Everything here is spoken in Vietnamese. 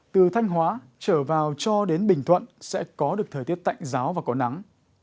trở vào cho đến bình thuận sẽ có được thời tiết tạnh giáo và có nắng